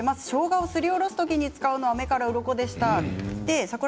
しょうがをすりおろすときに使うのは、目からうろこでした。